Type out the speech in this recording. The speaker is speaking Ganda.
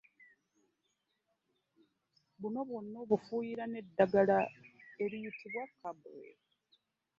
Buno bwonna obufuuyira n’eddagala eriyitibwa Carbaryl.